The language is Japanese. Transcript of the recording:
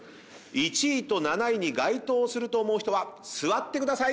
１位と７位に該当すると思う人は座ってください！